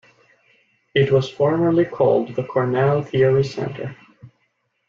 It was formerly called the Cornell Theory Center.